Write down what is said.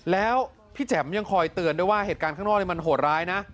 แล้วพี่แจ๋มยังคอยเตือนด้วยว่าเหตุการณ์ข้างนอกมันโหดร้ายนะ